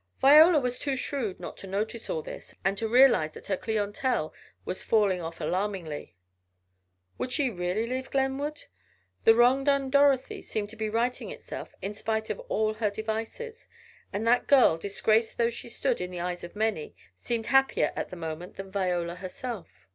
Viola was too shrewd not to notice all this, and to realize that her clientele was falling off alarmingly. Would she really leave Glenwood? The wrong done Dorothy seemed to be righting itself in spite of all her devices, and that girl, disgraced though she stood in the eyes of many, seemed happier at the moment than Viola herself.